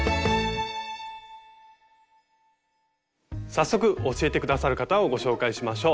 早速教えて下さる方をご紹介しましょう。